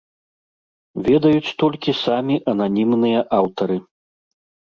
Ведаюць толькі самі ананімныя аўтары.